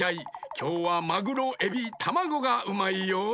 きょうはマグロエビタマゴがうまいよ。